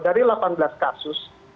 dari delapan belas kasus